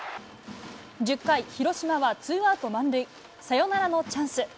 １０回、広島はツーアウト満塁、サヨナラのチャンス。